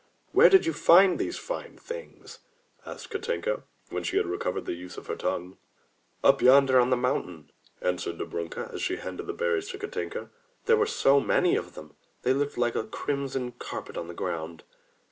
"Where did you find these fine things?" asked Katinka when she had recovered the use of her tongue. "Up yonder on the mountain," answered Dobrunka as she handed the berries to Katinka, "there were so many of them, that they looked like a crimson carpet on the ground."